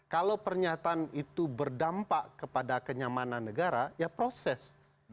kalau pernyataan itu berdampak kepada kenyamanan negara ya proses